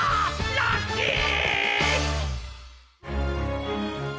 ラッキー！